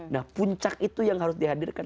nah puncak itu yang harus dihadirkan